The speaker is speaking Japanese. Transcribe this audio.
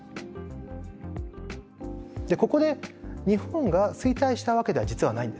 でここで日本が衰退したわけでは実はないんです。